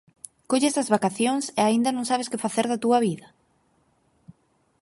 Colles as vacacións e aínda non sabes que facer da túa vida?